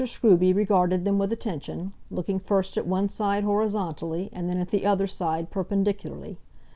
Scruby regarded them with attention, looking first at one side horizontally, and then at the other side perpendicularly.